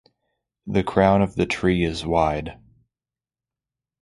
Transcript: The crown of the tree is wide.